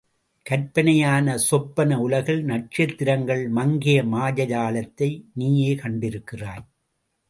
கற்பனையான சொப்பன உலகில் நட்சத்திரங்கள் மங்கிய மாயாஜாலத்தை நீயே கண்டிருக்கிறாய்.